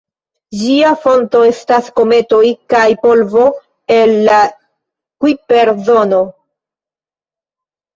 Ĝia fonto estas kometoj kaj polvo el la Kujper-zono.